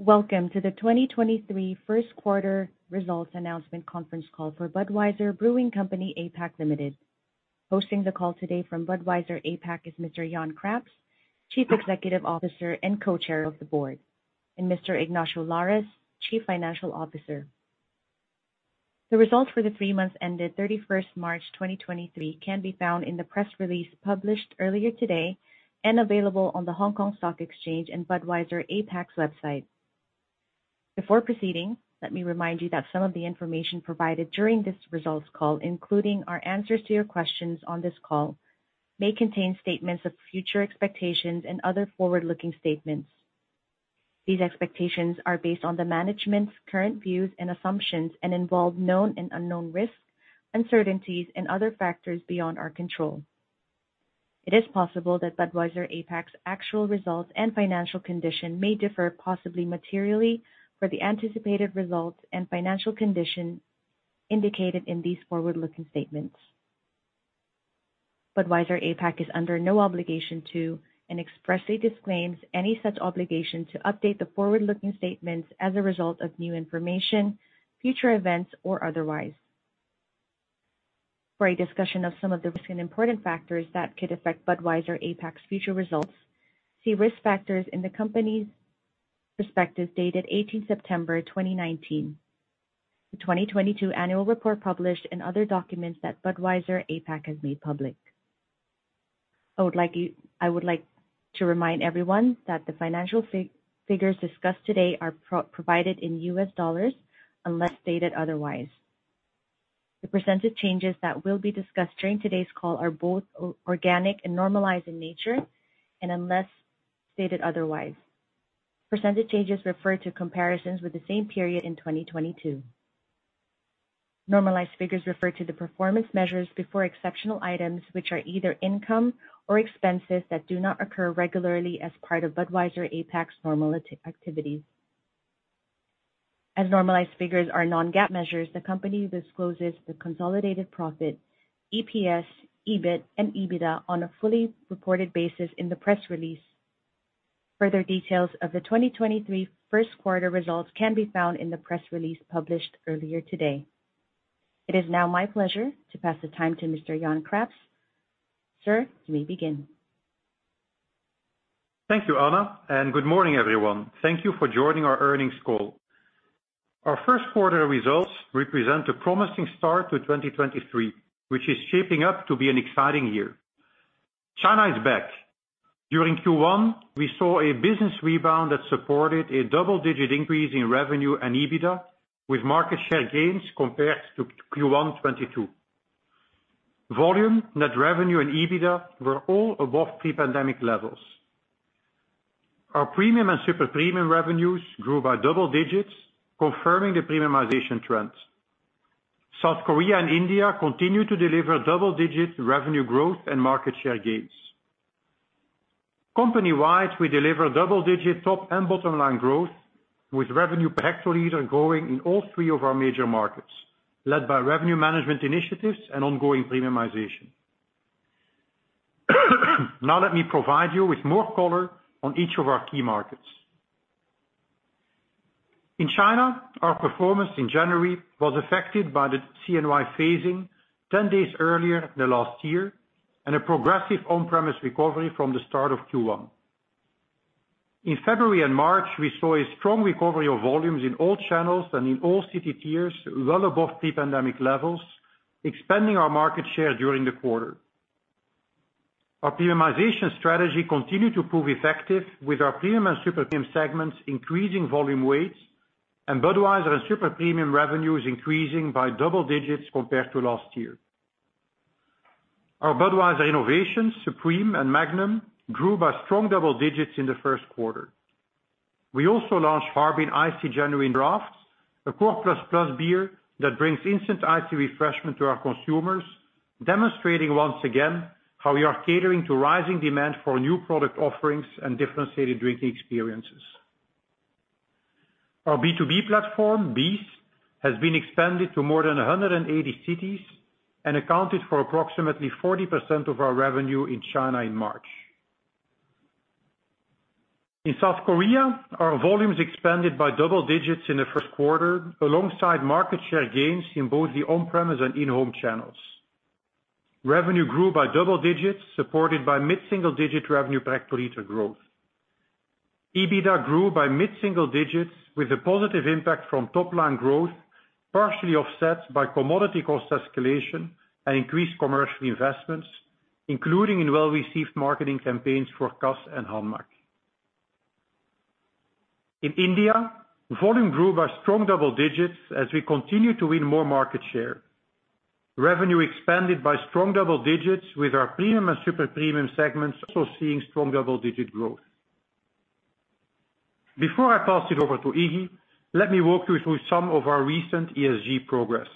Welcome to the 2023 first quarter results announcement conference call for Budweiser Brewing Company APAC Limited. Hosting the call today from Budweiser APAC is Mr. Jan Craps, Chief Executive Officer and Co-Chair of the Board, and Mr. Ignacio Lares, Chief Financial Officer. The results for the three months ended 31st March 2023 can be found in the press release published earlier today and available on the Hong Kong Stock Exchange and Budweiser APAC's website. Before proceeding, let me remind you that some of the information provided during this results call, including our answers to your questions on this call, may contain statements of future expectations and other forward-looking statements. These expectations are based on the management's current views and assumptions and involve known and unknown risks, uncertainties, and other factors beyond our control. It is possible that Budweiser APAC's actual results and financial condition may differ possibly materially for the anticipated results and financial condition indicated in these forward-looking statements. Budweiser APAC is under no obligation to, and expressly disclaims any such obligation to update the forward-looking statements as a result of new information, future events, or otherwise. For a discussion of some of the risk and important factors that could affect Budweiser APAC's future results, see risk factors in the company's perspective dated 18th September 2019, the 2022 annual report published, and other documents that Budweiser APAC has made public. I would like to remind everyone that the financial figures discussed today are provided in U.S. dollars unless stated otherwise. The percentage changes that will be discussed during today's call are both organic and normalized in nature, unless stated otherwise. Percentage changes refer to comparisons with the same period in 2022. Normalized figures refer to the performance measures before exceptional items which are either income or expenses that do not occur regularly as part of Budweiser APAC's normal activities. As normalized figures are non-GAAP measures, the company discloses the consolidated profit, EPS, EBIT, and EBITDA on a fully reported basis in the press release. Further details of the 2023 first quarter results can be found in the press release published earlier today. It is now my pleasure to pass the time to Mr. Jan Craps. Sir, you may begin. Thank you, Anna. Good morning, everyone. Thank you for joining our earnings call. Our first quarter results represent a promising start to 2023, which is shaping up to be an exciting year. China is back. During Q1, we saw a business rebound that supported a double-digit increase in revenue and EBITDA, with market share gains compared to Q1 2022. Volume, net revenue, and EBITDA were all above pre-pandemic levels. Our premium and super premium revenues grew by double digits, confirming the premiumization trend. South Korea and India continue to deliver double-digit revenue growth and market share gains. Company-wide, we deliver double-digit top and bottom line growth, with revenue per hectoliter growing in all three of our major markets, led by revenue management initiatives and ongoing premiumization. Let me provide you with more color on each of our key markets. In China, our performance in January was affected by the CNY phasing 10 days earlier than last year and a progressive on-premise recovery from the start of Q1. In February and March, we saw a strong recovery of volumes in all channels and in all city tiers, well above pre-pandemic levels, expanding our market share during the quarter. Our premiumization strategy continued to prove effective with our premium and super premium segments, increasing volume weights, and Budweiser and super premium revenues increasing by double digits compared to last year. Our Budweiser innovations, Supreme and Magnum, grew by strong double digits in the first quarter. We also launched Harbin Icy Genuine Draft, a core plus plus beer that brings instant icy refreshment to our consumers, demonstrating once again how we are catering to rising demand for new product offerings and differentiated drinking experiences. Our B2B platform, BEES, has been expanded to more than 180 cities and accounted for approximately 40% of our revenue in China in March. In South Korea, our volumes expanded by double digits in the first quarter alongside market share gains in both the on-premise and in-home channels. Revenue grew by double digits, supported by mid-single-digit revenue per hectoliter growth. EBITDA grew by mid-single digits with a positive impact from top-line growth, partially offset by commodity cost escalation and increased commercial investments, including in well-received marketing campaigns for Cass and Hanmac. In India, volume grew by strong double digits as we continue to win more market share. Revenue expanded by strong double digits with our premium and super premium segments also seeing strong double-digit growth. Before I pass it over to Iggy, let me walk you through some of our recent ESG progress.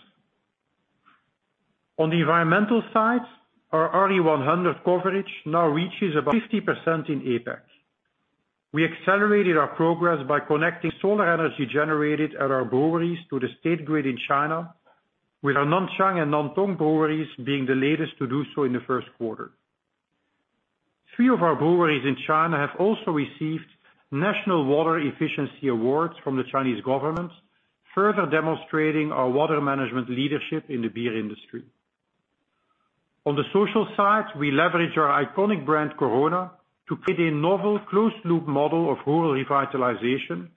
On the environmental side, our RE100 coverage now reaches about 50% in APAC. We accelerated our progress by connecting solar energy generated at our breweries to the state grid in China. With our Nanchang and Nantong breweries being the latest to do so in the first quarter. Three of our breweries in China have also received national water efficiency awards from the Chinese government, further demonstrating our water management leadership in the beer industry. On the social side, we leverage our iconic brand, Corona, to create a novel close loop model of rural revitalization,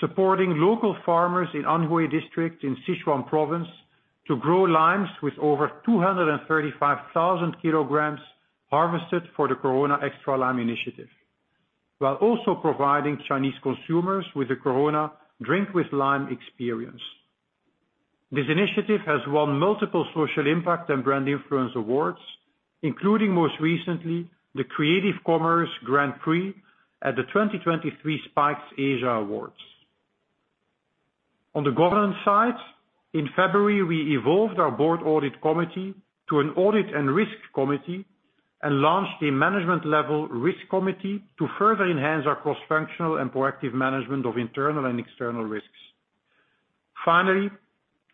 supporting local farmers in Anyue County in Sichuan Province to grow limes with over 235,000 kilograms harvested for the Corona Extra Lime initiative, while also providing Chinese consumers with a Corona drink with lime experience. This initiative has won multiple social impact and brand influence awards, including most recently the Creative Commerce Grand Prix at the 2023 Spikes Asia Awards. On the governance side, in February, we evolved our board audit committee to an audit and risk committee and launched a management level risk committee to further enhance our cross-functional and proactive management of internal and external risks. Finally,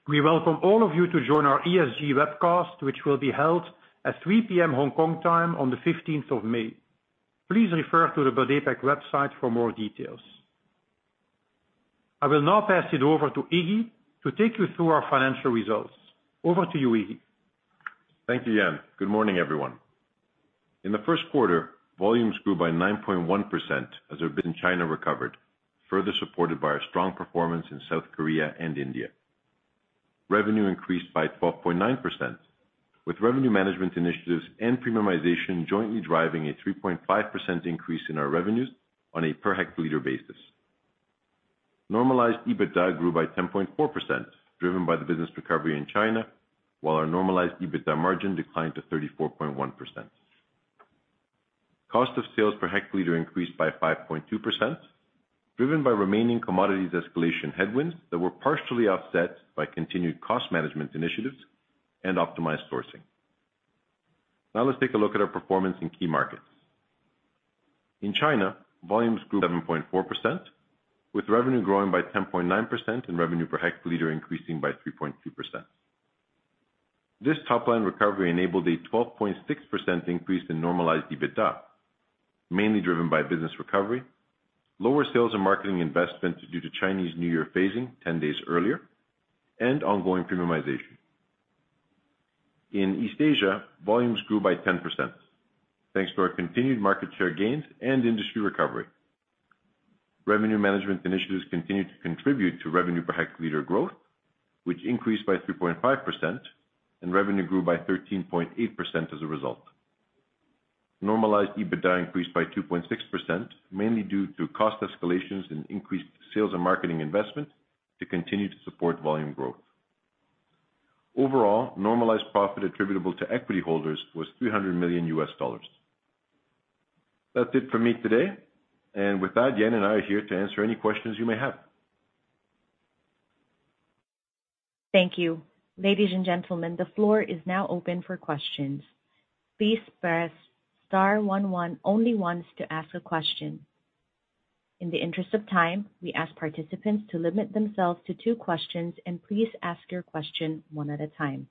we welcome all of you to join our ESG webcast, which will be held at 3:00 P.M. Hong Kong time on the 15th of May. Please refer to the Budweiser website for more details. I will now pass it over to Iggy to take you through our financial results. Over to you, Iggy. Thank you, Jan. Good morning, everyone. In the first quarter, volumes grew by 9.1% as our Bud in China recovered, further supported by our strong performance in South Korea and India. Revenue increased by 12.9%, with revenue management initiatives and premiumization jointly driving a 3.5% increase in our revenues on a per hectoliter basis. Normalized EBITDA grew by 10.4%, driven by the business recovery in China, while our normalized EBITDA margin declined to 34.1%. Cost of sales per hectoliter increased by 5.2%, driven by remaining commodities escalation headwinds that were partially offset by continued cost management initiatives and optimized sourcing. Let's take a look at our performance in key markets. In China, volumes grew 7.4%, with revenue growing by 10.9% and revenue per hectoliter increasing by 3.2%. This top-line recovery enabled a 12.6% increase in normalized EBITDA, mainly driven by business recovery, lower sales and marketing investment due to Chinese New Year phasing 10 days earlier, and ongoing premiumization. In East Asia, volumes grew by 10%, thanks to our continued market share gains and industry recovery. Revenue management initiatives continued to contribute to revenue per hectoliter growth, which increased by 3.5%, and revenue grew by 13.8% as a result. Normalized EBITDA increased by 2.6%, mainly due to cost escalations and increased sales and marketing investment to continue to support volume growth. Overall, normalized profit attributable to equity holders was $300 million. That's it for me today. With that, Jan and I are here to answer any questions you may have. Thank you. Ladies and gentlemen, the floor is now open for questions. Please press star one one only once to ask a question. In the interest of time, we ask participants to limit themselves to two questions, and please ask your question one at a time.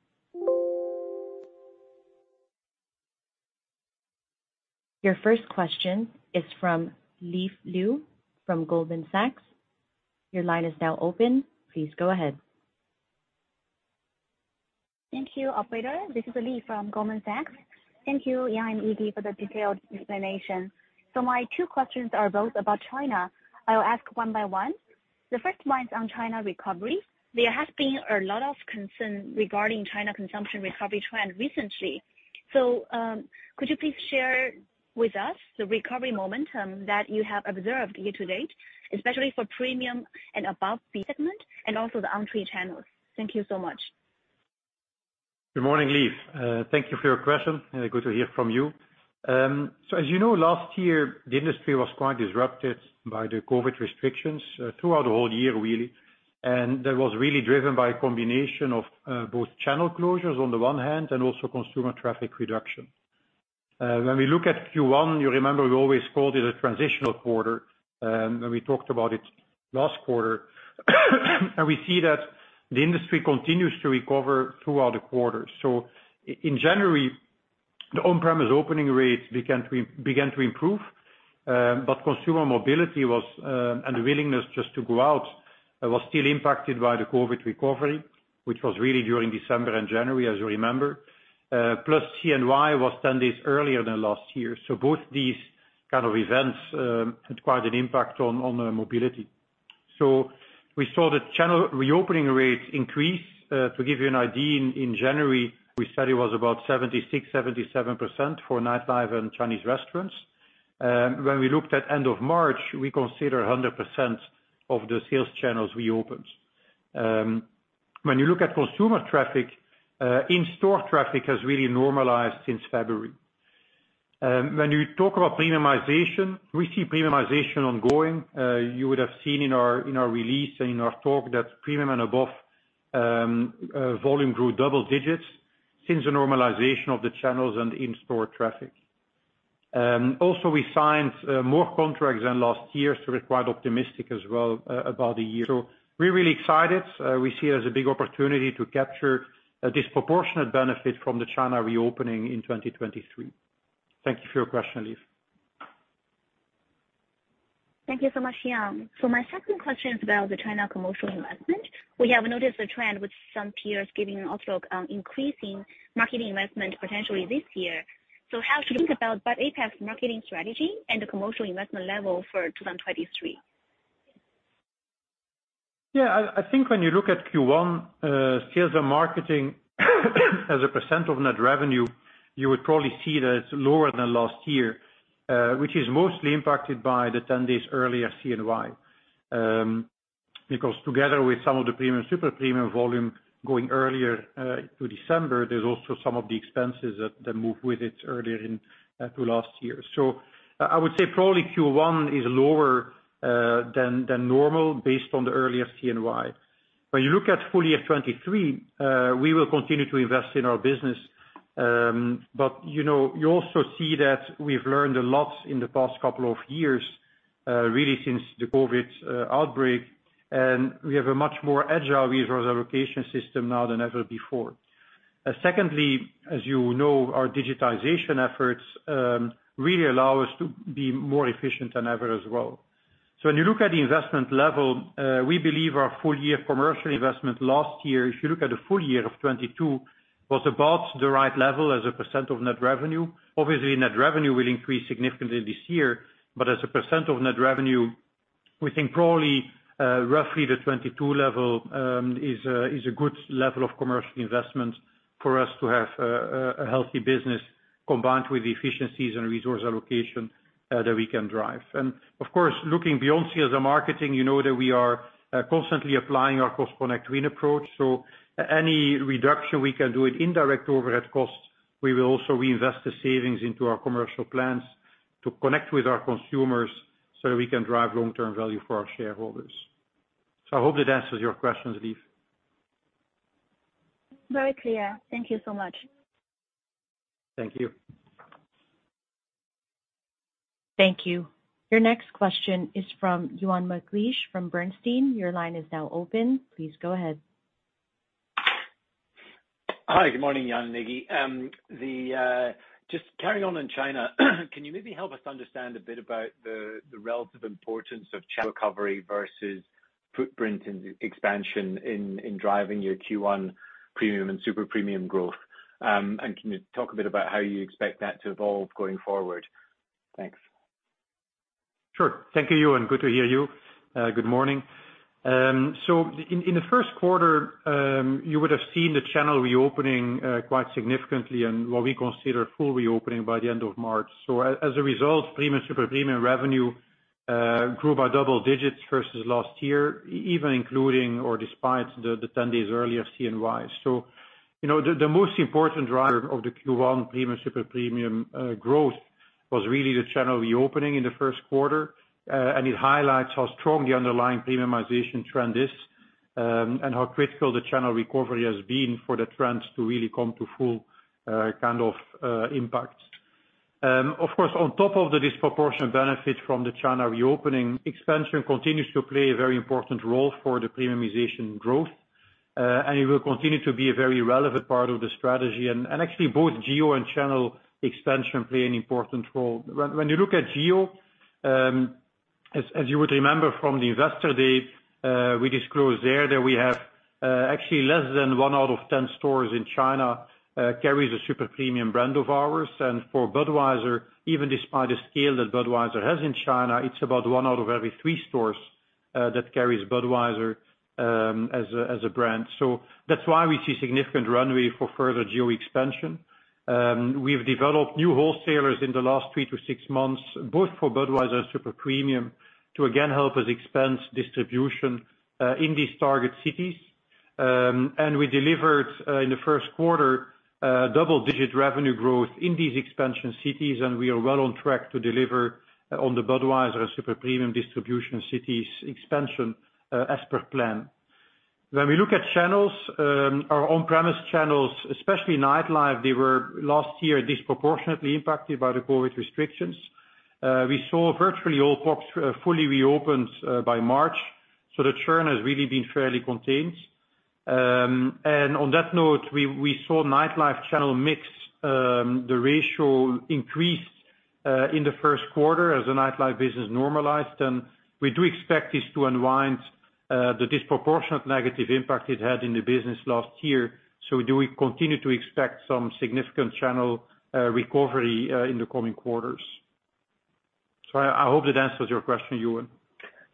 Your first question is from Leaf Liu from Goldman Sachs. Your line is now open. Please go ahead. Thank you, operator. This is Leaf from Goldman Sachs. Thank you, Jan and Iggy, for the detailed explanation. My two questions are both about China. I'll ask one by one. The first one is on China recovery. There has been a lot of concern regarding China consumption recovery trend recently. Could you please share with us the recovery momentum that you have observed year to date, especially for premium and above B segment and also the on-trade channels? Thank you so much. Good morning, Leaf. Thank you for your question. Good to hear from you. As you know, last year, the industry was quite disrupted by the COVID restrictions throughout the whole year, really. That was really driven by a combination of both channel closures on the one hand and also consumer traffic reduction. When we look at Q1, you remember we always called it a transitional quarter when we talked about it last quarter. We see that the industry continues to recover throughout the quarter. In January, the on-premise opening rates began to improve, consumer mobility was and willingness just to go out was still impacted by the COVID recovery, which was really during December and January, as you remember. Plus CNY was 10 days earlier than last year. Both these kind of events had quite an impact on the mobility. We saw the channel reopening rates increase. To give you an idea, in January, we said it was about 76%-77% for night live and Chinese restaurants. When we looked at end of March, we consider 100% of the sales channels reopened. When you look at consumer traffic, in-store traffic has really normalized since February. When you talk about premiumization, we see premiumization ongoing. You would have seen in our release and in our talk that premium and above volume grew double digits since the normalization of the channels and in-store traffic. Also we signed more contracts than last year, so we're quite optimistic as well about the year. We're really excited. We see it as a big opportunity to capture a disproportionate benefit from the China reopening in 2023. Thank you for your question, Leaf. Thank you so much, Jan. My second question is about the China commercial investment. We have noticed a trend with some peers giving outlook on increasing marketing investment potentially this year. How to think about Bud APAC's marketing strategy and the commercial investment level for 2023? Yeah. I think when you look at Q1, sales and marketing as a percent of net revenue, you would probably see that it's lower than last year, which is mostly impacted by the 10 days earlier CNY. Because together with some of the premium, super-premium volume going earlier, to December, there's also some of the expenses that move with it earlier to last year. I would say probably Q1 is lower than normal based on the earlier CNY. When you look at full year 2023, we will continue to invest in our business. You know, you also see that we've learned a lot in the past couple of years, really since the COVID outbreak, and we have a much more agile resource allocation system now than ever before. Secondly, as you know, our digitization efforts really allow us to be more efficient than ever as well. When you look at the investment level, we believe our full year commercial investment last year, if you look at the full year of 2022, was about the right level as a percent of net revenue. Obviously, net revenue will increase significantly this year, but as a percent of net revenue, we think probably roughly the 2022 level is a good level of commercial investment for us to have a healthy business combined with the efficiencies and resource allocation that we can drive. Of course, looking beyond sales and marketing, you know that we are constantly applying our cost connect win approach. Any reduction we can do in indirect overhead costs, we will also reinvest the savings into our commercial plans to connect with our consumers so we can drive long-term value for our shareholders. I hope that answers your question, Leaf. Very clear. Thank you so much. Thank you. Thank you. Your next question is from Euan McLeish from Bernstein. Your line is now open. Please go ahead. Hi. Good morning, Jan, Iggy. Just carrying on in China, can you maybe help us understand a bit about the relative importance of channel recovery versus footprint and expansion in driving your Q1 premium and super-premium growth? Can you talk a bit about how you expect that to evolve going forward? Thanks. Sure. Thank you, Ewan. Good to hear you. Good morning. In the first quarter, you would have seen the channel reopening quite significantly and what we consider full reopening by the end of March. As a result, premium, super-premium revenue grew by double digits versus last year, even including or despite the 10 days earlier CNY. You know, the most important driver of the Q1 premium, super-premium growth was really the channel reopening in the first quarter. It highlights how strong the underlying premiumization trend is, and how critical the channel recovery has been for the trends to really come to full kind of impact. Of course, on top of the disproportionate benefit from the China reopening, expansion continues to play a very important role for the premiumization growth, and it will continue to be a very relevant part of the strategy. Actually, both geo and channel expansion play an important role. When you look at geo, as you would remember from the investor date, we disclosed there that we have actually less than one out of 10 stores in China carries a super-premium brand of ours. For Budweiser, even despite the scale that Budweiser has in China, it's about one out of every three stores that carries Budweiser as a brand. That's why we see significant runway for further geo expansion. We've developed new wholesalers in the last three to six months, both for Budweiser super-premium, to again help us expand distribution in these target cities. We delivered in the first quarter double-digit revenue growth in these expansion cities, and we are well on track to deliver on the Budweiser super-premium distribution cities expansion as per plan. When we look at channels, our on-premise channels, especially nightlife, they were last year disproportionately impacted by the COVID restrictions. We saw virtually all pops fully reopened by March, so the churn has really been fairly contained. On that note, we saw nightlife channel mix, the ratio increased in the first quarter as the nightlife business normalized. We do expect this to unwind the disproportionate negative impact it had in the business last year. Do we continue to expect some significant channel recovery in the coming quarters? I hope that answers your question, Ewan.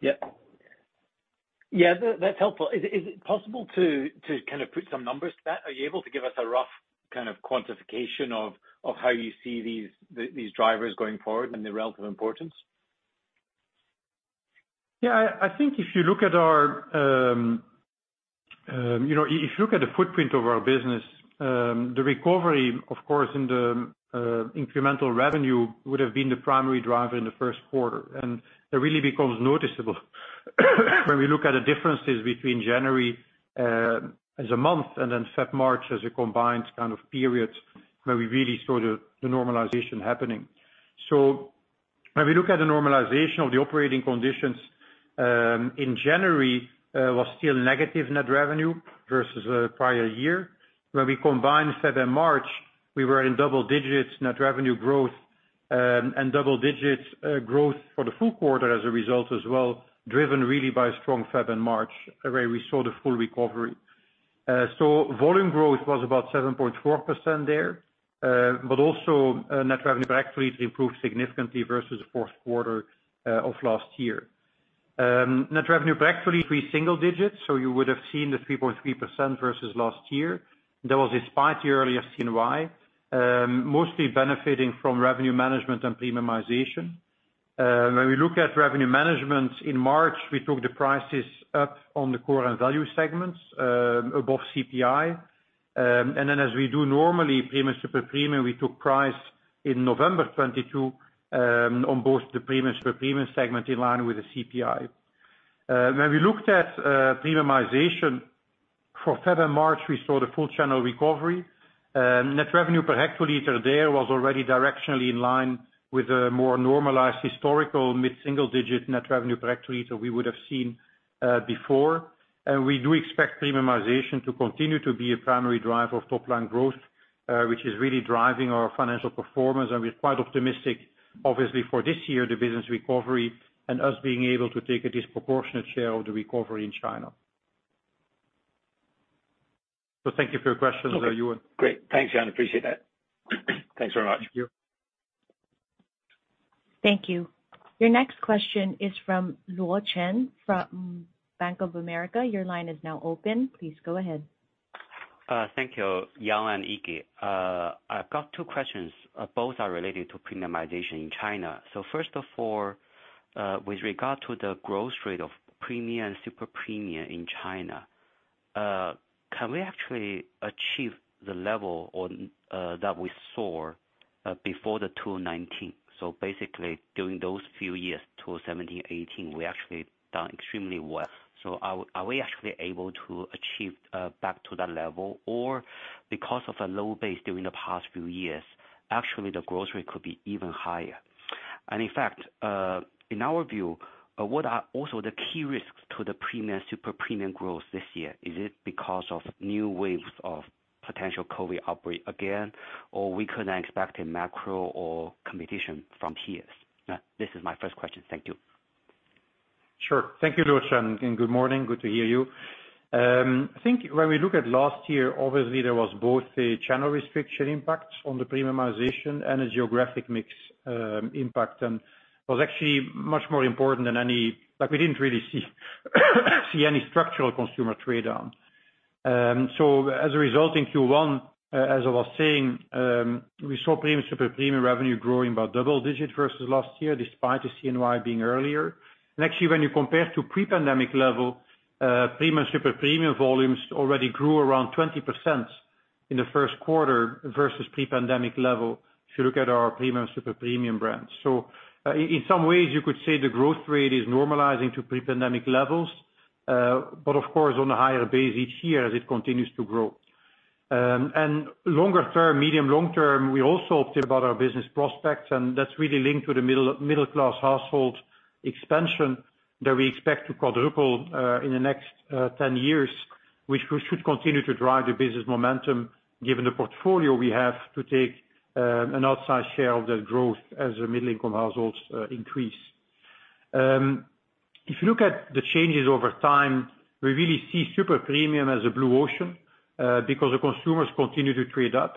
Yeah. That's helpful. Is it possible to kind of put some numbers to that? Are you able to give us a rough kind of quantification of how you see these drivers going forward and their relative importance? Yeah. I think if you look at our, you know, if you look at the footprint of our business, the recovery, of course, in the incremental revenue would have been the primary driver in the first quarter. It really becomes noticeable when we look at the differences between January as a month and then Feb/March as a combined kind of period where we really saw the normalization happening. When we look at the normalization of the operating conditions, in January was still negative net revenue versus prior year. When we combine Feb and March, we were in double-digits net revenue growth, and double-digits growth for the full quarter as a result as well, driven really by strong Feb and March where we saw the full recovery. Volume growth was about 7.4% there, net revenue per hectoliter improved significantly versus the fourth quarter of last year. Net revenue per hectoliter, three single digits, you would have seen the 3.3% versus last year. That was despite the earlier CNY, mostly benefiting from revenue management and premiumization. When we look at revenue management, in March, we took the prices up on the core and value segments above CPI. As we do normally, premium, super premium, we took price in November 2022 on both the premium, super premium segment in line with the CPI. When we looked at premiumization for Feb and March, we saw the full channel recovery. Net revenue per hectoliter there was already directionally in line with a more normalized historical mid-single digit net revenue per hectoliter we would have seen before. We do expect premiumization to continue to be a primary driver of top line growth, which is really driving our financial performance. We're quite optimistic obviously for this year, the business recovery and us being able to take a disproportionate share of the recovery in China. Thank you for your questions, Euan. Okay. Great. Thanks, Jan. Appreciate that. Thanks very much. Thank you. Thank you. Your next question is from Luo Chen from Bank of America. Your line is now open. Please go ahead. Thank you, Jan and Iggy. I've got two questions, both are related to premiumization in China. First of all, with regard to the growth rate of premium, super premium in China, can we actually achieve the level on that we saw before 2019? Basically during those few years, 2017, 2018, we actually done extremely well. Are we actually able to achieve back to that level? Or because of a low base during the past few years, actually the growth rate could be even higher. In fact, in our view, what are also the key risks to the premium, super premium growth this year? Is it because of new waves of potential COVID outbreak again, or we couldn't expect a macro or competition from peers? This is my first question. Thank you. Sure. Thank you, Luo Chen. Good morning. Good to hear you. I think when we look at last year, obviously there was both a channel restriction impact on the premiumization and a geographic mix impact. Was actually much more important than any. Like, we didn't really see any structural consumer trade-down. As a result, in Q1, as I was saying, we saw premium, super premium revenue growing about double digits versus last year, despite the CNY being earlier. Actually, when you compare to pre-pandemic level, premium, super premium volumes already grew around 20% in the first quarter versus pre-pandemic level, if you look at our premium, super premium brands. In some ways, you could say the growth rate is normalizing to pre-pandemic levels, but of course, on a higher base each year as it continues to grow. Longer term, medium long term, we're also optimistic about our business prospects, and that's really linked to the middle class household expansion that we expect to quadruple in the next 10 years, which we should continue to drive the business momentum given the portfolio we have to take an outsized share of the growth as the middle income households increase. If you look at the changes over time, we really see super premium as a blue ocean because the consumers continue to trade up.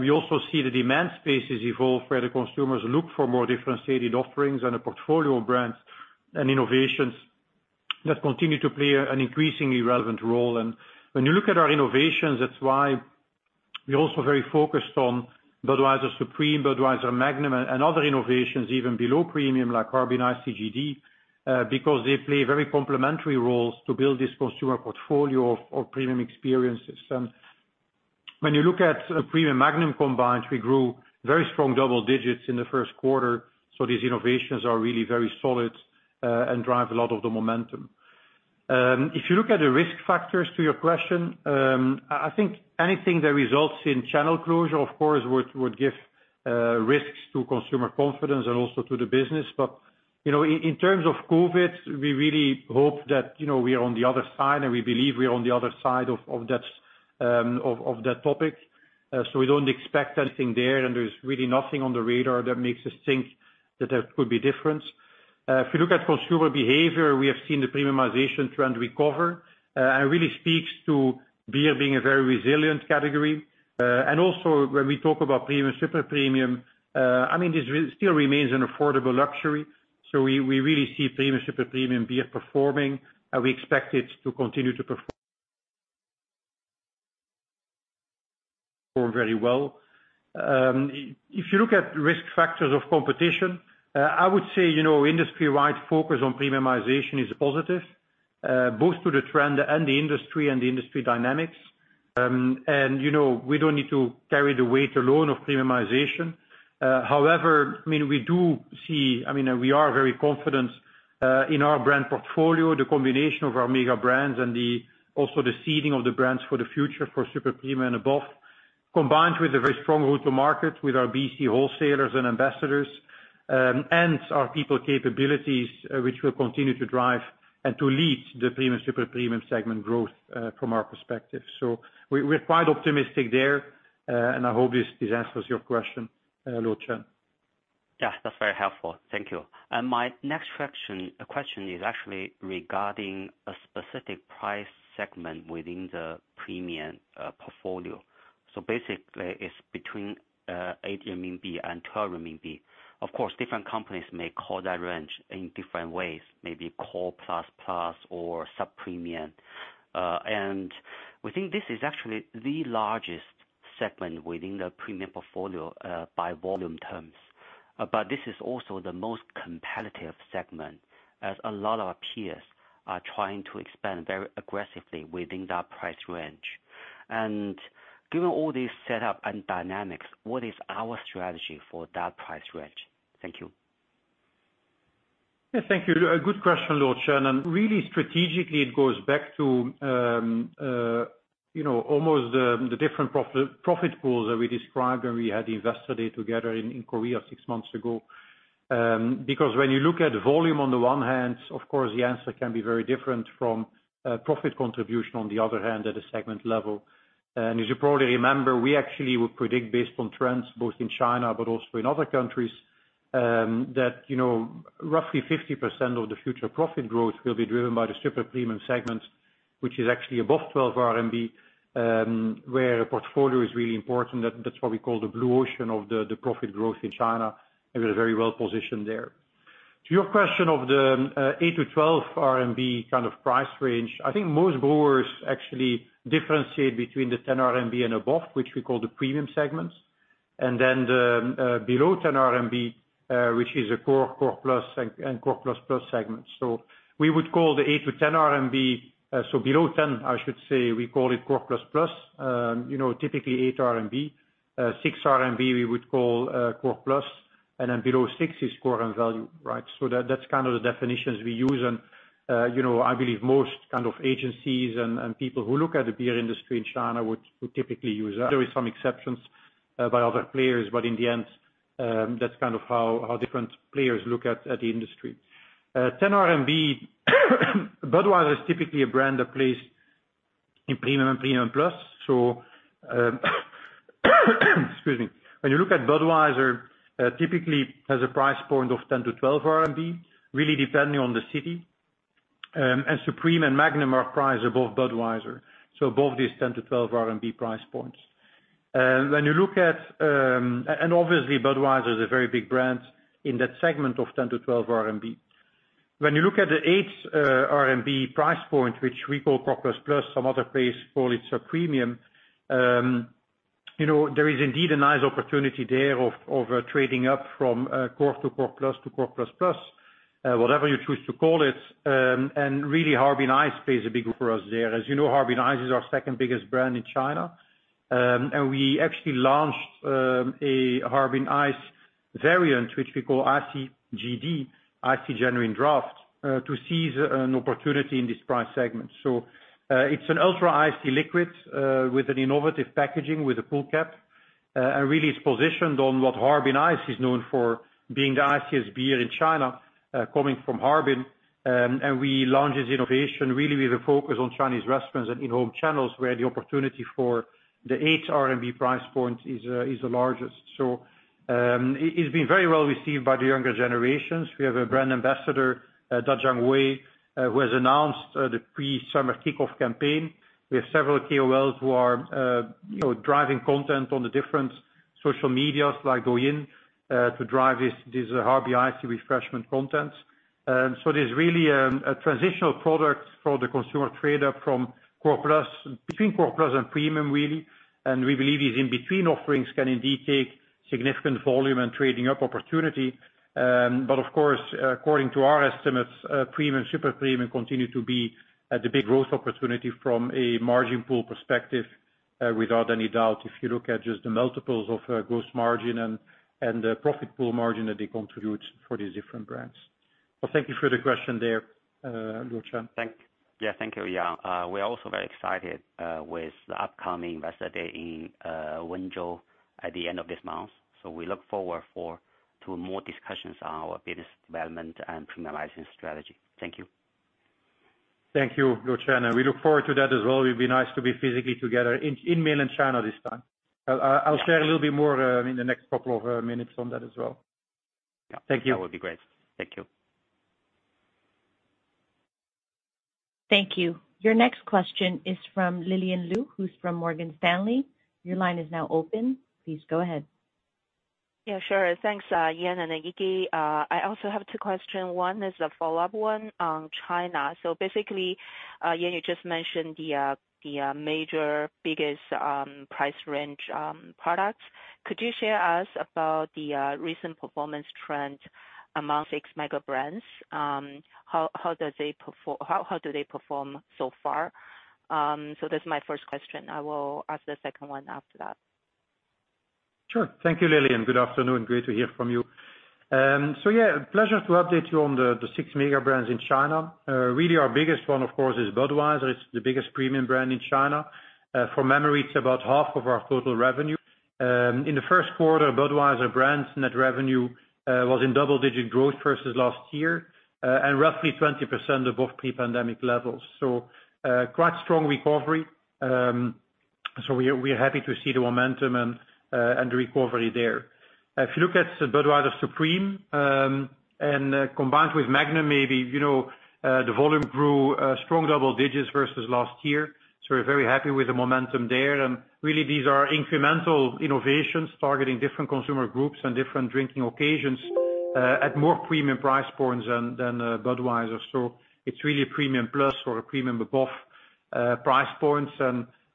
We also see the demand spaces evolve, where the consumers look for more differentiated offerings and a portfolio of brands and innovations that continue to play an increasingly relevant role. When you look at our innovations, that's why we're also very focused on Budweiser Supreme, Budweiser Magnum and other innovations even below premium like Carbon IPGD, because they play very complementary roles to build this consumer portfolio of premium experiences. When you look at Premium Magnum combined, we grew very strong double digits in the 1st quarter. These innovations are really very solid and drive a lot of the momentum. If you look at the risk factors to your question, I think anything that results in channel closure, of course would give risks to consumer confidence and also to the business. You know, in terms of COVID, we really hope that, you know, we are on the other side, and we believe we're on the other side of that topic. We don't expect anything there, and there's really nothing on the radar that makes us think that there could be difference. If you look at consumer behavior, we have seen the premiumization trend recover, really speaks to beer being a very resilient category. Also when we talk about premium, super premium, I mean, this still remains an affordable luxury. We really see premium, super premium beer performing, and we expect it to continue to perform very well. If you look at risk factors of competition, I would say, you know, industry-wide focus on premiumization is positive, both to the trend and the industry and the industry dynamics. And, you know, we don't need to carry the weight alone of premiumization. However, I mean, we do see. I mean, we are very confident, uh, in our brand portfolio, the combination of our mega brands and the also the seeding of the brands for the future for super premium and above, combined with the very strong route to market with our BC wholesalers and ambassadors, um, and our people capabilities, which will continue to drive and to lead the premium, super premium segment growth, from our perspective. So we-we're quite optimistic there. And I hope this, this answers your question, Luo Chen. Yes, that's very helpful. Thank you. My next question is actually regarding a specific price segment within the premium portfolio. Basically it's between 80 RMB and 12 RMB. Of course, different companies may call that range in different ways, maybe core plus plus or sub premium. We think this is actually the largest segment within the premium portfolio by volume terms. This is also the most competitive segment as a lot of our peers are trying to expand very aggressively within that price range. Given all this setup and dynamics, what is our strategy for that price range? Thank you. Yeah, thank you. A good question, Luo Chen. Really strategically, it goes back to, you know, almost the different profit pools that we described when we had the investor day together in Korea six months ago. When you look at volume on the one hand, of course, the answer can be very different from profit contribution on the other hand, at a segment level. As you probably remember, we actually would predict based on trends both in China but also in other countries, that, you know, roughly 50% of the future profit growth will be driven by the super premium segments, which is actually above 12 RMB, where a portfolio is really important. That's what we call the blue ocean of the profit growth in China, and we're very well positioned there. To your question of the 8-12 RMB kind of price range, I think most brewers actually differentiate between the 10 RMB and above, which we call the premium segments, and then the below 10 RMB, which is a core plus and core plus plus segments. We would call the 8-10 RMB, so below 10, I should say, we call it core plus plus. You know, typically 8 RMB. 6 RMB, we would call core plus, and then below six is core and value, right? That's kind of the definitions we use and, you know, I believe most kind of agencies and people who look at the beer industry in China would typically use that. There is some exceptions by other players, but in the end, that's kind of how different players look at the industry. 10, Budweiser is typically a brand that plays in premium and premium plus. Excuse me. When you look at Budweiser, typically has a price point of 10-12 RMB, really depending on the city. Supreme and Magnum are priced above Budweiser, so above these 10-12 RMB price points. Obviously, Budweiser is a very big brand in that segment of 10-12 RMB. When you look at the 8 RMB price point, which we call core plus plus, some other place call it sub premium, you know, there is indeed a nice opportunity there of trading up from core to core plus to core plus plus, whatever you choose to call it. Really, Harbin Icy plays a big role for us there. As you know, Harbin Icy is our second biggest brand in China. We actually launched a Harbin Icy variant, which we call ICGD, Icy Genuine Draft, to seize an opportunity in this price segment. It's an ultra ice liquid with an innovative packaging with a pull cap, and really is positioned on what Harbin Icy is known for being the iciest beer in China, coming from Harbin. We launched this innovation really with a focus on Chinese restaurants and in-home channels, where the opportunity for the 8 RMB price point is the largest. It's been very well received by the younger generations. We have a brand ambassador, Da Jiang Way, who has announced the pre-summer kickoff campaign. We have several KOLs who are, you know, driving content on the different social medias like Douyin to drive this Harbin Icy refreshment content. It is really a transitional product for the consumer trader between core plus and premium, really. We believe these in-between offerings can indeed take significant volume and trading up opportunity. Of course, according to our estimates, premium, super premium continue to be the big growth opportunity from a margin pool perspective, without any doubt, if you look at just the multiples of gross margin and the profit pool margin that they contribute for these different brands. Well, thank you for the question there, Luo Chen. Yeah, thank you, Jan. We are also very excited with the upcoming investor day in Wenzhou at the end of this month. We look forward to more discussions on our business development and premiumization strategy. Thank you. Thank you, Luo Chen, and we look forward to that as well. It'd be nice to be physically together in mainland China this time. I'll share a little bit more in the next couple of minutes on that as well. Yeah. Thank you. That would be great. Thank you. Thank you. Your next question is from Lillian Lou, who is from Morgan Stanley. Your line is now open. Please go ahead. Yeah, sure. Thanks, Jan Craps and Iggy. I also have two question. One is a follow-up, one on China. Basically, Jan Craps, you just mentioned the major biggest price range products. Could you share us about the recent performance trend among six mega brands? How do they perform so far? That's my first question. I will ask the second one after that. Sure. Thank you, Lillian. Good afternoon. Great to hear from you. Yeah, pleasure to update you on the 6 mega brands in China. Really our biggest one, of course, is Budweiser. It's the biggest premium brand in China. From memory, it's about half of our total revenue. In the first quarter, Budweiser brands net revenue was in double digit growth versus last year and roughly 20% above pre-pandemic levels. Quite strong recovery. We're happy to see the momentum and recovery there. If you look at Budweiser Supreme and combined with Magnum, maybe, you know, the volume grew strong double digits versus last year. We're very happy with the momentum there. Really these are incremental innovations targeting different consumer groups and different drinking occasions, at more premium price points than Budweiser. It's really a premium plus or a premium above price points.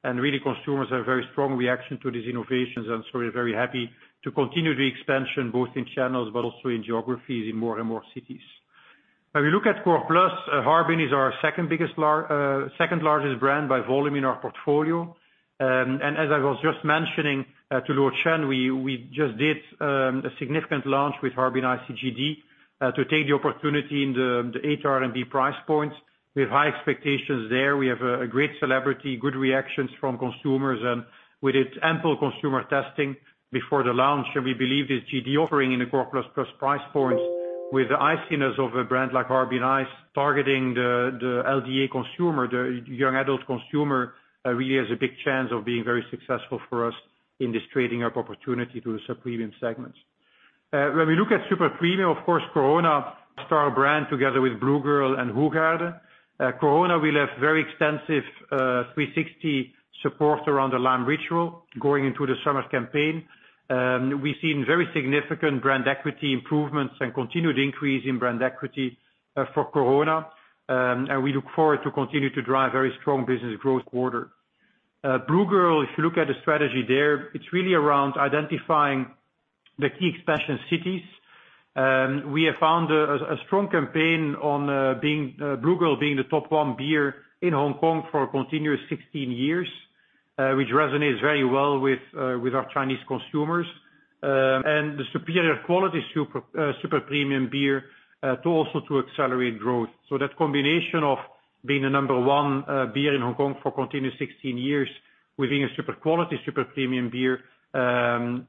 Really consumers have very strong reaction to these innovations. We're very happy to continue the expansion both in channels but also in geographies in more and more cities. If you look at Core Plus, Harbin is our second largest brand by volume in our portfolio. As I was just mentioning to Lu Chen, we just did a significant launch with Harbin Icy GD to take the opportunity in the HRMB price points. We have high expectations there. We have a great celebrity, good reactions from consumers, and we did ample consumer testing before the launch. We believe this GD offering in the Core Plus Plus price points with the iciness of a brand like Harbin Icy targeting the LDA consumer, the young adult consumer, really has a big chance of being very successful for us in this trading up opportunity to the Supreme segments. When we look at Super Premium, of course, Corona star brand together with Blue Girl and Hoegaarden. Corona, we left very extensive 360 support around the lime ritual going into the summer campaign. We've seen very significant brand equity improvements and continued increase in brand equity for Corona. We look forward to continue to drive very strong business growth quarter. Blue Girl, if you look at the strategy there, it's really around identifying the key expansion cities. We have found a strong campaign on being Blue Girl being the top one beer in Hong Kong for continuous 16 years, which resonates very well with our Chinese consumers. The superior quality Super Premium beer to also to accelerate growth. That combination of being the number one beer in Hong Kong for continuous 16 years within a super quality, super premium beer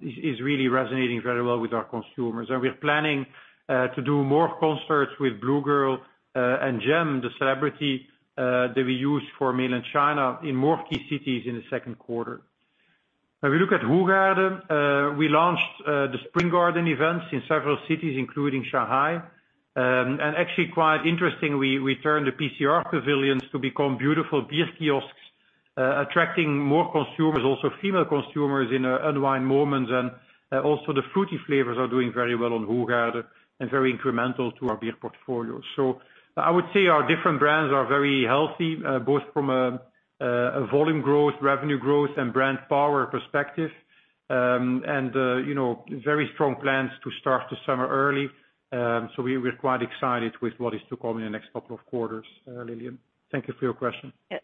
is really resonating very well with our consumers. We're planning to do more concerts with Blue Girl and Gem, the celebrity, that we use for mainland China in more key cities in the second quarter. If we look at Hoegaarden, we launched the Spring Festival events in several cities, including Shanghai. actually quite interesting, we turned the PCR pavilions to become beautiful beer kiosks, attracting more consumers, also female consumers, in an unwind moment. Also the fruity flavors are doing very well on Hoegaarden and very incremental to our beer portfolio. I would say our different brands are very healthy, both from a volume growth, revenue growth, and brand power perspective. You know, very strong plans to start the summer early. We are quite excited with what is to come in the next couple of quarters, Lillian. Thank you for your question. Yeah.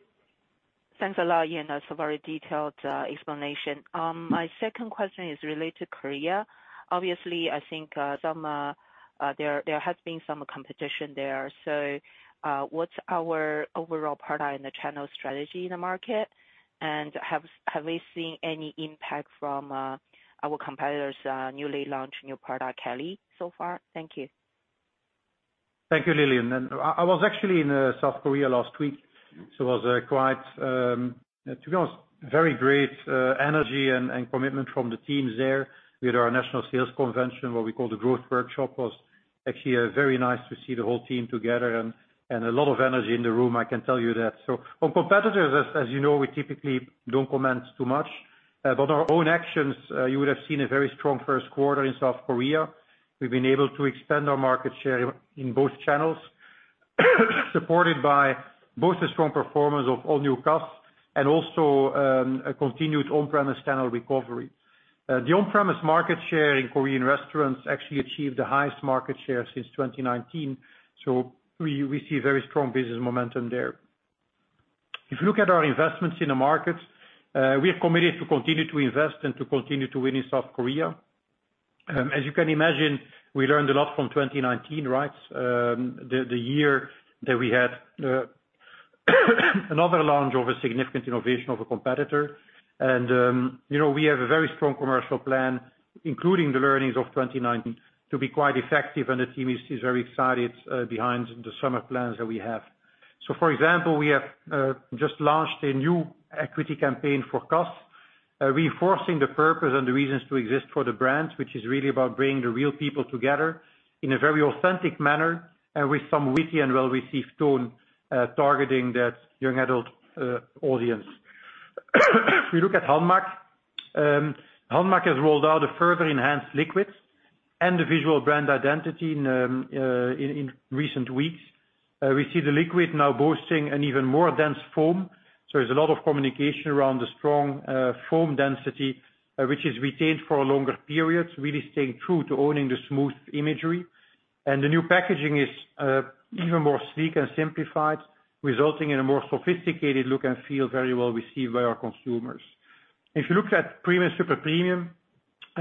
Thanks a lot, Jan. That's a very detailed explanation. My second question is related to Korea. Obviously, I think, some, there has been some competition there. What's our overall product in the channel strategy in the market? And have we seen any impact from our competitors', newly launched new product, Kelly, so far? Thank you. Thank you, Lillian. I was actually in South Korea last week, so was quite, to be honest, very great energy and commitment from the teams there. We had our national sales convention, what we call the growth workshop, was actually very nice to see the whole team together and a lot of energy in the room, I can tell you that. On competitors, as you know, we typically don't comment too much. But our own actions, you would have seen a very strong first quarter in South Korea. We've been able to expand our market share in both channels, supported by both the strong performance of All New Cass and also a continued on-premise channel recovery. The on-premise market share in Korean restaurants actually achieved the highest market share since 2019. We see very strong business momentum there. If you look at our investments in the markets, we are committed to continue to invest and to continue to win in South Korea. As you can imagine, we learned a lot from 2019, right? The year that we had, another launch of a significant innovation of a competitor. You know, we have a very strong commercial plan, including the learnings of 2019 to be quite effective. The team is very excited, behind the summer plans that we have. For example, we have just launched a new equity campaign for Cass, reinforcing the purpose and the reasons to exist for the brands, which is really about bringing the real people together in a very authentic manner and with some witty and well-received tone, targeting that young adult audience. If we look at HANMAC has rolled out a further enhanced liquid and the visual brand identity in recent weeks. We see the liquid now boasting an even more dense foam. There's a lot of communication around the strong foam density, which is retained for longer periods, really staying true to owning the smooth imagery. The new packaging is even more sleek and simplified, resulting in a more sophisticated look and feel, very well received by our consumers. If you look at premium, super premium,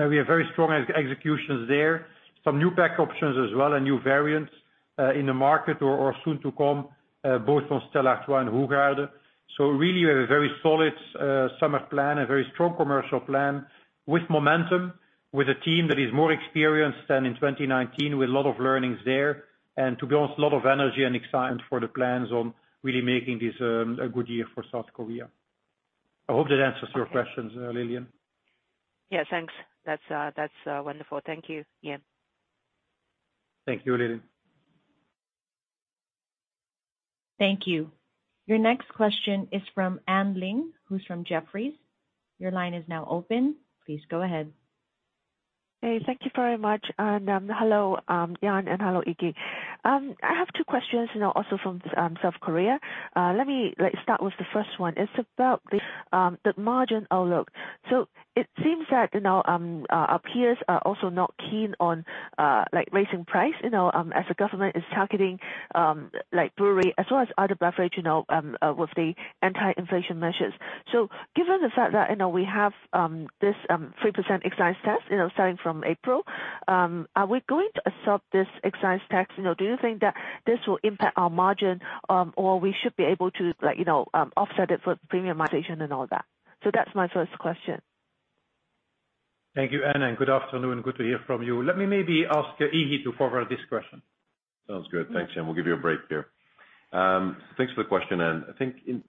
we have very strong executions there. Some new pack options as well, and new variants in the market or soon to come, both from Stella Artois and Hoegaarden. Really we have a very solid summer plan, a very strong commercial plan with momentum, with a team that is more experienced than in 2019 with a lot of learnings there, and to be honest a lot of energy and excitement for the plans on really making this a good year for South Korea. I hope that answers your questions, Lillian. Yeah, thanks. That's wonderful. Thank you, Jan. Thank you, Lillian. Thank you. Your next question is from Anne Ling, who's from Jefferies. Your line is now open. Please go ahead. Hey, thank you very much. Hello, Jan, and hello, Iggy. I have two questions now also from South Korea. Let me, like, start with the first one. It's about the margin outlook. It seems that, you know, our peers are also not keen on, like, raising price, you know, as the government is targeting, like brewery as well as other beverage, you know, with the anti-inflation measures. Given the fact that, you know, we have this 3% excise tax, you know, starting from April, are we going to absorb this excise tax? You know, do you think that this will impact our margin, or we should be able to like, you know, offset it with premiumization and all that? That's my first question. Thank you, Anne, and good afternoon. Good to hear from you. Let me maybe ask Iggy to forward this question. Sounds good. Thanks, Jan. We'll give you a break here. Thanks for the question, Anne.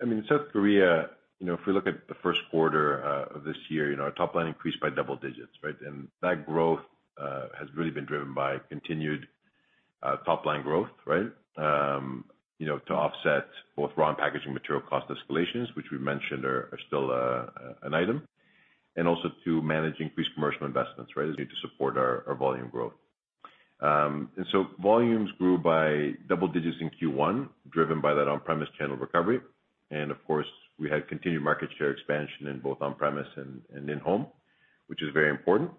I mean, South Korea, you know, if we look at the first quarter of this year, you know, our top line increased by double digits, right? That growth has really been driven by continued top line growth, right? You know, to offset both raw packaging material cost escalations, which we mentioned are still an item, and also to manage increased commercial investments, right? We need to support our volume growth. Volumes grew by double digits in Q1, driven by that on-premise channel recovery. Of course, we had continued market share expansion in both on-premise and in-home, which is very important,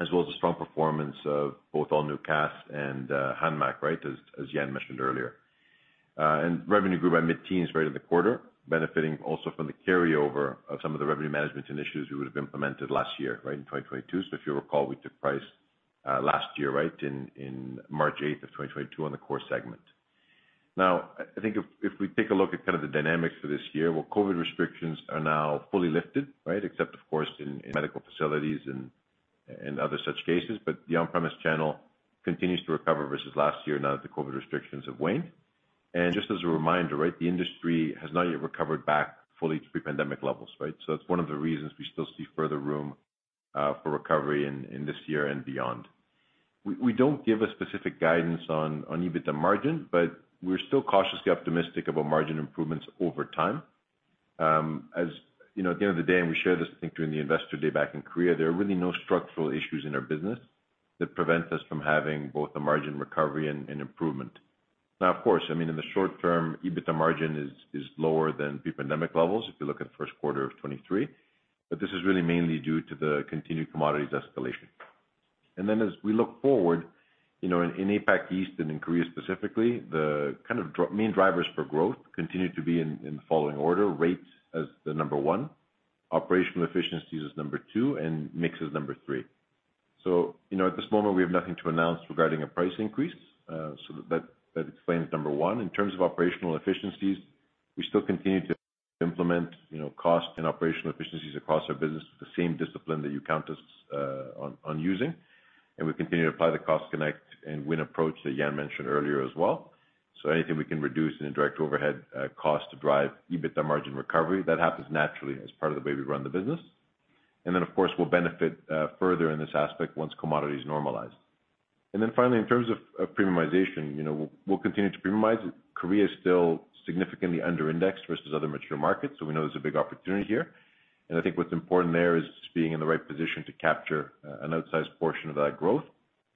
as well as a strong performance of both All New Cass and HANMAC, right? As Jan mentioned earlier. Revenue grew by mid-teens, right, in the quarter, benefiting also from the carryover of some of the revenue management initiatives we would have implemented last year, right, in 2022. If you recall, we took price last year, right, in March 8th of 2022 on the core segment. Now, I think if we take a look at kind of the dynamics for this year, well, COVID restrictions are now fully lifted, right? Except of course in medical facilities and other such cases. The on-premise channel continues to recover versus last year now that the COVID restrictions have waned. Just as a reminder, right, the industry has not yet recovered back fully to pre-pandemic levels, right? That's one of the reasons we still see further room for recovery in this year and beyond. We don't give a specific guidance on EBITDA margin, but we're still cautiously optimistic about margin improvements over time. As you know, at the end of the day, and we shared this, I think, during the investor day back in Korea, there are really no structural issues in our business that prevents us from having both a margin recovery and improvement. Of course, I mean, in the short term, EBITDA margin is lower than pre-pandemic levels, if you look at the first quarter of 2023. This is really mainly due to the continued commodities escalation. As we look forward, you know, in APAC East and in Korea specifically, the main drivers for growth continue to be in the following order, rates as the number one, operational efficiencies as number two, and mix as number three. You know, at this moment we have nothing to announce regarding a price increase. that explains number one. In terms of operational efficiencies, we still continue to implement, you know, cost and operational efficiencies across our business with the same discipline that you count us on using. We continue to apply the cost connect win approach that Jan mentioned earlier as well. Anything we can reduce in indirect overhead cost to drive EBITDA margin recovery, that happens naturally as part of the way we run the business. Of course we'll benefit further in this aspect once commodities normalize. Finally, in terms of premiumization, you know, we'll continue to premiumize. Korea is still significantly under indexed versus other mature markets, so we know there's a big opportunity here. I think what's important there is being in the right position to capture an outsized portion of that growth,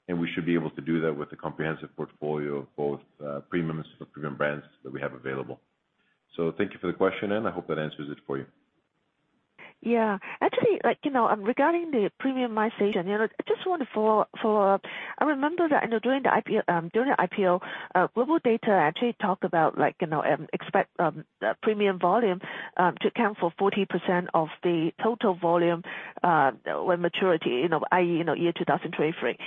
and we should be able to do that with a comprehensive portfolio of both premium and super premium brands that we have available. Thank you for the question, Anne. I hope that answers it for you. Yeah. Actually, like, you know, regarding the premiumization, you know, I just want to follow up. I remember that, you know, during the IPO, GlobalData actually talked about like, you know, expect premium volume to account for 40% of the total volume when maturity, you know, i.e., you know, year 2023.